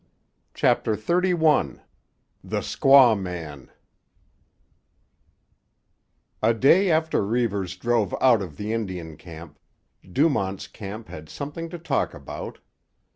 CHAPTER XXXI—THE SQUAW MAN A day after Reivers drove out of the Indian camp, Dumont's Camp had something to talk about.